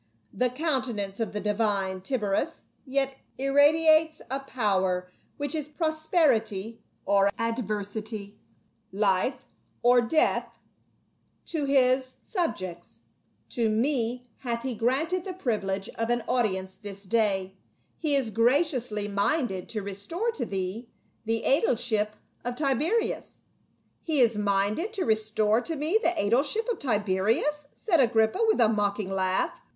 "The coun tenance of the divine Tiberius yet irradiates a power which is prosperity or adversity, life or death to his 40 PA UL. subjects. To me hath he granted the privilege of an audience this day ; he is graciously minded to restore to thee the aedileship of Tiberias." " He is minded to restore to me the aedileship of Tiberias?" said Agrippa with a mocking laugh.